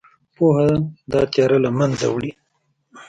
پوهه دا تیاره له منځه وړي.